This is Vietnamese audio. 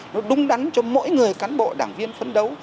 nó đúng đắn cho mỗi người cán bộ đảng viên phấn đấu